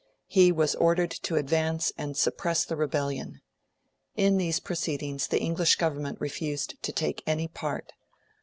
He was ordered to advance and suppress the rebellion. In these proceedings the English Government refused to take any part.